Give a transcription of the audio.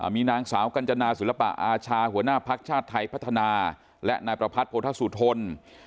มีนางสาวกัญจนาศิลปะอาชาหัวหน้าภักดิ์ชาติไทยพัฒนาและนายประพัทธสุทน